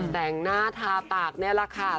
แต่งหน้าทาปากนี่แหละค่ะ